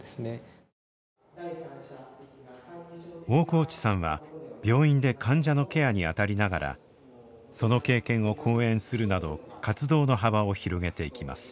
大河内さんは病院で患者のケアに当たりながらその経験を講演するなど活動の幅を広げていきます。